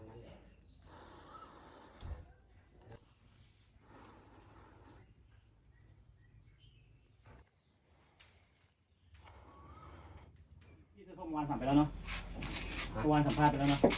แบบนี้พอมันสั่งไหมแล้วแล้วมีวางสั่งพวกนี้ดียอด